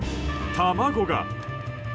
卵が。